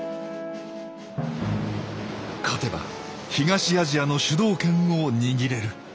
勝てば東アジアの主導権を握れる。